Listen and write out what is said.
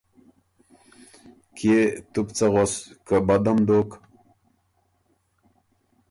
کيې تُو بو څۀ غؤس که بدم دوک؟